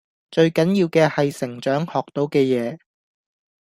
最緊要嘅係成長學到嘅嘢⠀